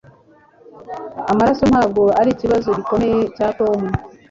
Amaraso ntabwo arikibazo gikomeye cya Tom.